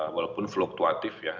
walaupun fluktuatif ya